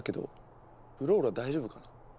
フローラ大丈夫かな。